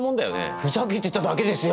ふざけてただけですよ！